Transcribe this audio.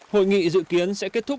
hội nghị dự kiến sẽ kết thúc